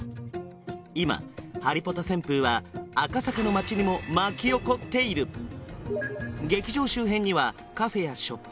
今ハリポタ旋風は赤坂の街にも巻き起こっている劇場周辺にはカフェやショップ